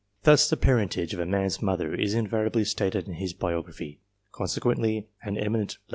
Thus the parentage of a man's mother is invariably stated in his biography ; con sequently, an eminent g.